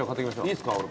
いいっすか？